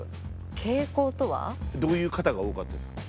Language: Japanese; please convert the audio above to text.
どういう方が多かったですか？